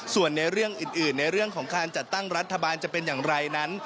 ส่วนในเรื่องอื่นในเรื่องของการจัดตั้งรัฐบาลจะเป็นอย่างไรนั้น